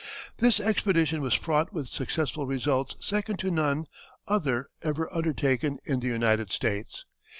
This expedition was fraught with successful results second to none other ever undertaken in the United States.